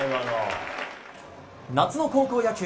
夏の高校野球。